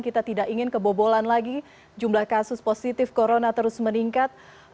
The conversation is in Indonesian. kita tidak ingin kebobolan lagi jumlah kasus positif corona terus meningkat